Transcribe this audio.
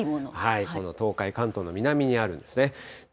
この東海、関東の南にあるんですね。